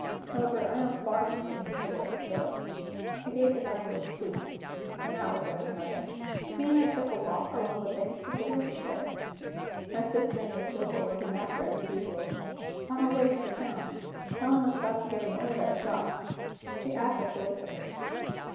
However, I am far from thinking the worse of Philip. I gave his arm a little squeeze and that was better than nothing. ....... He and I took a walk along the bank of the river to day; my sister and Miss Jillgall looking after us as usual. On our way through the town, Helena stopped to give an order at a shop. She asked us to wait for her.